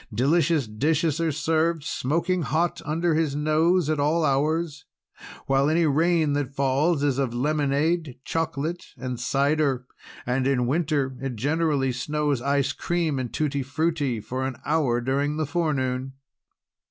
Delicious dishes are served smoking hot under his nose, at all hours, while any rain that falls is of lemonade, chocolate, and cider. And in Winter it generally snows ice cream and tutti frutti, for an hour during the forenoon."